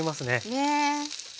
ねえ。